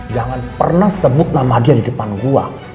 jangan pernah sebut nama dia di depan gua